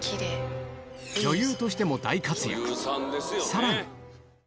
女優としても大活躍さらに